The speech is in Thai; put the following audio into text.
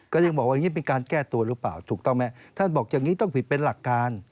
ก็ยังบอกว่าอย่างนี้เป็นการแก้ตัวหรือเปล่าถูกต้องไหมท่านบอกอย่างนี้ต้องผิดเป็นหลักการ